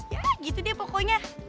ya gitu deh pokoknya